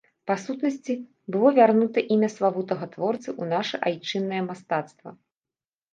Па сутнасці, было вернута імя славутага творцы ў наша айчыннае мастацтва.